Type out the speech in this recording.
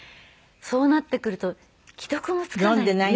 そうなってくると既読もつかない。